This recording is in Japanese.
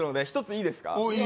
一ついいですか？